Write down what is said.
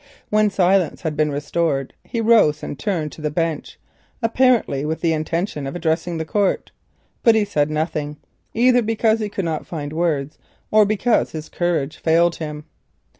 When silence had been restored he rose and turned to the bench apparently with the intention of addressing the court. But he said nothing, either because he could not find the words or because his courage failed him.